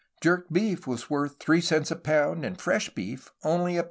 Jerked beef was worth $.03 a pound and fresh beef only $.